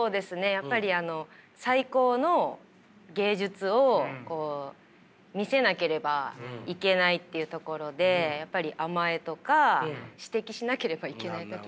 やっぱりあの最高の芸術を見せなければいけないっていうところでやっぱり甘えとか指摘しなければいけない時が。